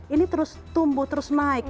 ini terus tumbuh terus naik